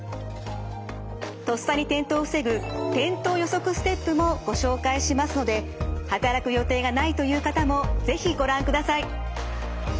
とっさに転倒を防ぐ転倒予測ステップもご紹介しますので働く予定がないという方も是非ご覧ください。